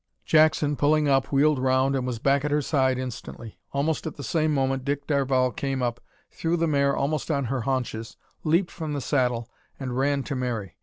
Jackson, pulling up, wheeled round and was back at her side instantly. Almost at the same moment Dick Darvall came up, threw the mare almost on her haunches, leaped from the saddle, and ran to Mary.